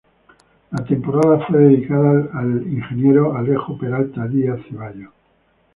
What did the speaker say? La temporada fue dedicada al Ing. Alejo Peralta Díaz Ceballos.